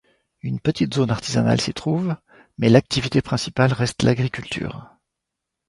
Une petite zone artisanale s'y trouve mais l'activité principale reste l'agriculture.